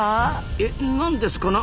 え何ですかな？